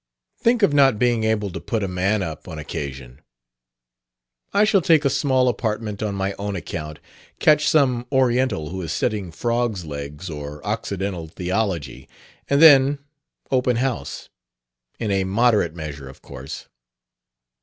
Think of not being able to put a man up, on occasion! I shall take a small apartment on my own account, catch some Oriental who is studying frogs' legs or Occidental theology; and then open house. In a moderate measure, of course."